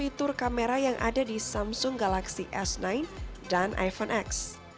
fitur kamera yang ada di samsung galaxy s sembilan dan iphone x